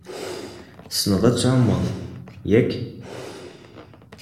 Tessneḍ ad tɛummeḍ, yak?